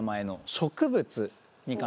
植物？